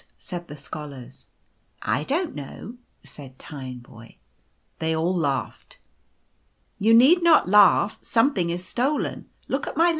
" said the scholars. " Idont know," said Tineboy. They all laughed. " Tou need not laugh, something is stolen; look at my \ Something Lost.